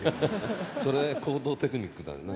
それ高度テクニックだね。